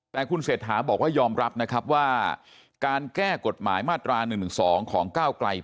แต่คุณเศรษฐาบอกว่ายอมรับนะครับว่าการแก้กฎหมายมาตรา๑๑๒ของก้าวไกล